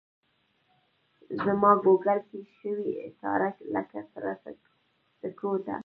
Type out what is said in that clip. زماګوګل کي شوې ایساره لکه سره سکروټه